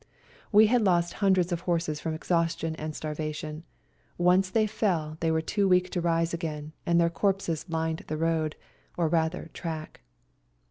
We had lost hundreds of horses from exhaustion and starvation — once they fell they were too weak to rise again— and their corpses lined the road, or rather track.